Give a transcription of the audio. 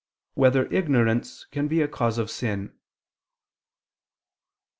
1] Whether Ignorance Can Be a Cause of Sin?